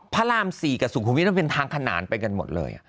พระราม๔กับสุขุมวิทย์มันเป็นทางขนานไปกันหมดเลย